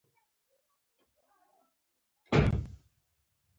مېز له فکري فعالیت سره مرسته کوي.